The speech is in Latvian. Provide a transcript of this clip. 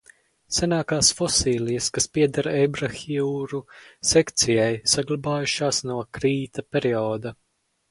Senākās fosilijas, kas pieder eibrahiuru sekcijai, saglabājušās no krīta perioda.